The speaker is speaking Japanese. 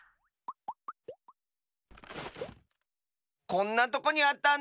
こんなとこにあったんだ。